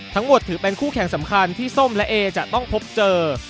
ทั้งหมดถือเป็นคู่แข่งสำคัญที่ส้มและเอจะต้องพบเจอ